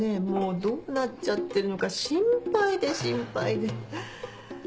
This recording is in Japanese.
もうどうなっちゃってるのか心配で心配で。